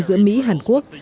giữa mỹ hàn quốc